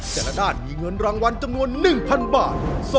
แต่ละด้านมีเงินรางวัลจำนวน๑๐๐บาท